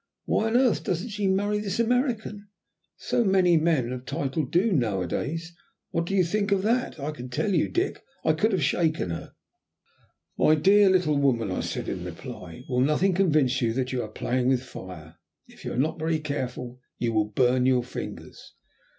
'Why on earth doesn't he marry this American? So many men of title do now a days.' What do you think of that? I can tell you, Dick, I could have shaken her!" "My dear little woman," I said in reply, "will nothing convince you that you are playing with fire? If you are not very careful you will burn your fingers.